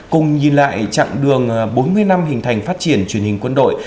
cùng nhìn lại chặng đường bốn mươi năm hình thành phát triển truyền hình quân đội